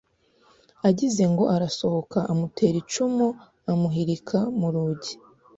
Agize ngo arasohoka amutera icumu amuhirika murugi